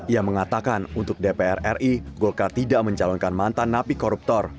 ia mengatakan untuk dpr ri golkar tidak mencalonkan mantan napi koruptor